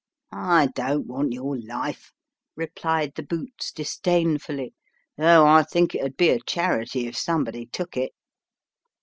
" I don't want your life," replied the boots, disdainfully, " though I think it 'ud be a charity if somebody took it."